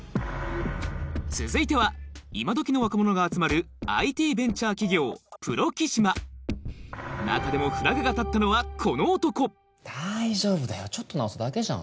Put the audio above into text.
続いては今どきの若者が集まるＩＴベンチャー企業プロキシマ中でもフラグが立ったのはこの男大丈夫だよちょっと直すだけじゃん。